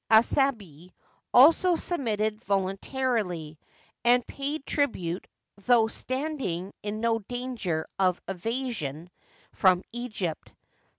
Asebi) also submitted voluntarily, and paid tribute, though standing in no danger of invasion from Egypt.